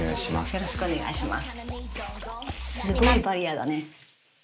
よろしくお願いします。